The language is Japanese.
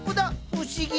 不思議。